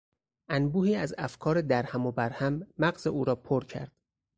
انبوهی از افکار در هم و بر هم مغز او را پر کرد.